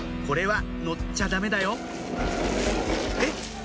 これは乗っちゃダメだよえっ